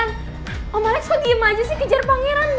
pangeran om alex kok diem aja sih kejar pangeran dong